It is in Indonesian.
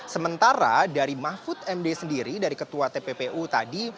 sementara dari mahfud md sendiri dari ketua tppu tadi